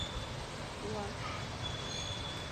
在除故事模式外的其他模式中则与自机无异。